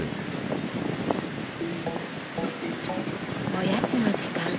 おやつの時間。